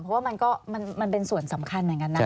เพราะว่ามันก็มันเป็นส่วนสำคัญเหมือนกันนะ